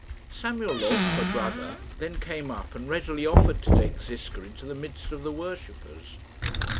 Samuel Loth, her brother, then came up and readily offered to take Ziska into the midst of the worshippers.